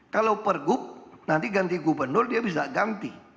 kalau pergub nanti ganti gubernur dia bisa ganti